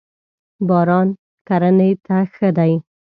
باران کرنی ته ښه دی.